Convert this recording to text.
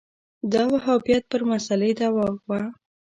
دا وهابیت پر مسألې دعوا وه